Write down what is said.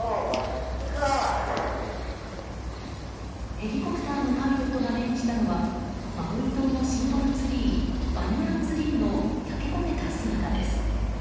ヘリコプターのパイロットが目にしたのはマウイ島のシンボルツリーバニヤンツリーの焼け焦げた姿です。